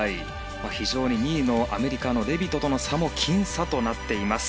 非常に２位のアメリカのレビトとの差も僅差となっています。